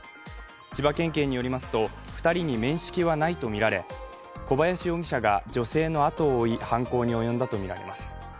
千葉県警によりますと２人に面識はないとみられ小林容疑者が女性の後を追い犯行に及んだとみられます。